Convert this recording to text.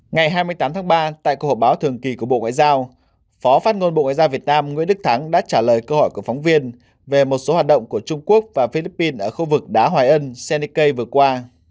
ngày hai mươi tám tháng ba tại cuộc họp báo thường kỳ của bộ ngoại giao phó phát ngôn bộ ngoại giao việt nam nguyễn đức thắng đã trả lời câu hỏi của phóng viên về một số hoạt động của trung quốc và philippines ở khu vực đá hoài ân senikei vừa qua